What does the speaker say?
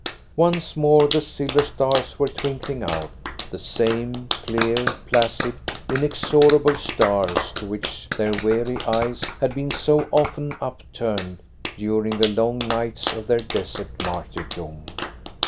Once more the silver stars were twinkling out, the same clear, placid, inexorable stars to which their weary eyes had been so often upturned during the long nights of their desert martyrdom.